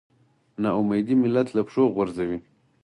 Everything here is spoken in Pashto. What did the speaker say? نا اميدي ملت له پښو غورځوي.